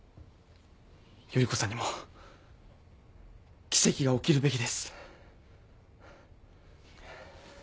依子さんにも奇跡が起きるべきです。